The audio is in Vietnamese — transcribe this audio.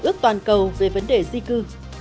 hiệp ước toàn cầu về vấn đề di cư